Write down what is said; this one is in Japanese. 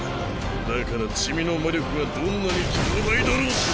だからチミの魔力がどんなに強大だろうと。